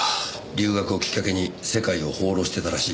留学をきっかけに世界を放浪してたらしい。